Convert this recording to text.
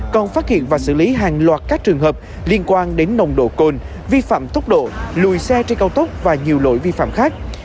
còn phát hiện và xử lý hàng loạt các trường hợp liên quan đến nồng độ cồn vi phạm tốc độ lùi xe trên cao tốc và nhiều lỗi vi phạm khác